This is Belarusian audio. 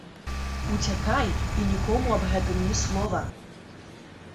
Уцякай і нікому аб гэтым ні слова!